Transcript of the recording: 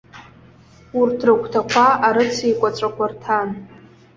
Урҭ рыгәҭақәа арыц еиқәаҵәақәа рҭан.